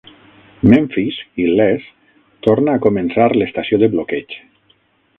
Memfis, il·lès, torna a començar l'estació de bloqueig.